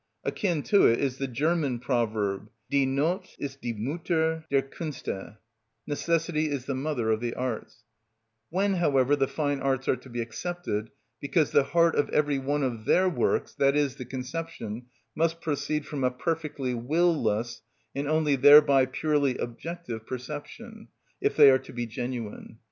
Akin to it is the German proverb, "Die Noth ist die Mutter der Künste" ("Necessity is the mother of the arts"); when, however, the fine arts are to be excepted, because the heart of every one of their works, that is, the conception, must proceed from a perfectly will less, and only thereby purely objective, perception, if they are to be genuine.